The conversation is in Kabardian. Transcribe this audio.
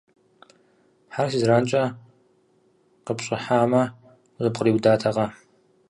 Хьэр си зэранкӏэ къыпщӏыхьамэ, узэпкъриудатэкъэ.